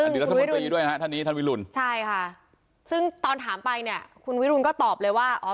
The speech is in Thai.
รัฐมนตรีด้วยฮะท่านนี้ท่านวิรุณใช่ค่ะซึ่งตอนถามไปเนี่ยคุณวิรุณก็ตอบเลยว่าอ๋อ